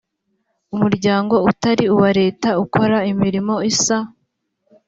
umuryango utari uwa leta ukora imirimo isa